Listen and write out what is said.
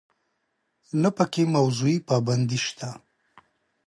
نه په کې موضوعي پابندي شته.